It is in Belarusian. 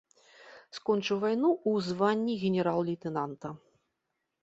Скончыў вайну ў званні генерал-лейтэнанта.